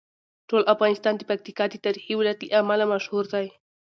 ټول افغانستان د پکتیکا د تاریخي ولایت له امله مشهور دی.